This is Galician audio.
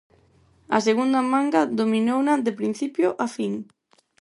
A segunda manga dominouna de principio a fin.